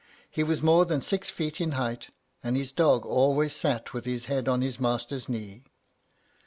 He was more than six feet in height, and his dog always sat with his head on his master's knee."